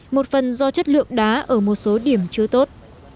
một phần do chất lượng đá ở một số điểm chưa tốt